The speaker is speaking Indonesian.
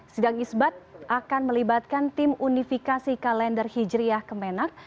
sidang isbat akan melibatkan tim unifikasi kalender hijriah kemenak